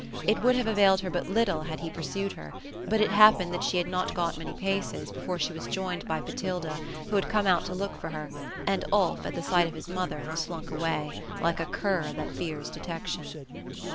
It would have availed her but little, had he pursued her : but it happened that she had not gone many paces, before she was joined by Botilda. who had come out to look for her; and Ulf, at sight of his mother, slunk away, like a cur that fears detection.